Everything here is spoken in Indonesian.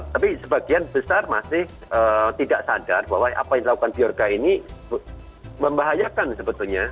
tapi sebagian besar masih tidak sadar bahwa apa yang dilakukan biorga ini membahayakan sebetulnya